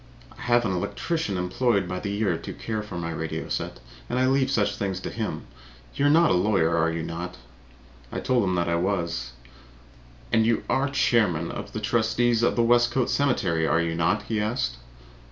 I have an electrician employed by the year to care for my radio set and I leave all such things to him. You are a lawyer, are you not?" I told him I was. "And you are chairman of the trustees of the Westcote Cemetery, are you not?" he asked.